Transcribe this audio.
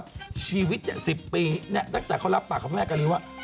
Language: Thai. ว่าชีวิต๑๐ปีตั้งแต่เขารับปากพระแม่กาลีว่า